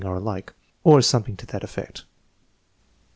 are alike" or something to that effect.